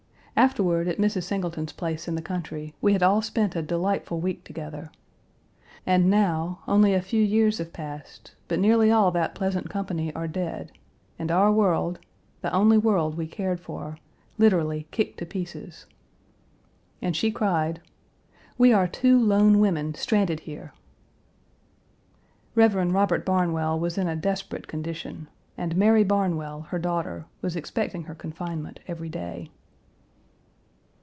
Afterward at Mrs. Singleton's place in the country we had all spent a delightful week together. And now, only a few years have passed, but nearly all that pleasant company are dead, and our world, the only world we cared for, literally kicked to pieces. And she cried, "We are two lone women, stranded here." Rev. Robert Barnwell was in a desperate condition, and Mary Barnwell, her daughter, was expecting her confinement every day.